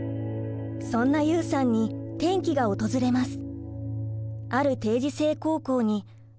そんなユウさんに転機が訪れます。